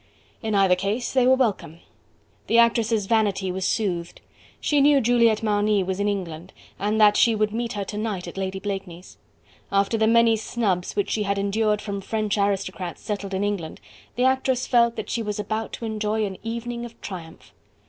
In either case they were welcome. The actress' vanity was soothed. She knew Juliette Marny was in England, and that she would meet her to night at Lady Blakeney's. After the many snubs which she had endured from French aristocrats settled in England, the actress felt that she was about to enjoy an evening of triumph.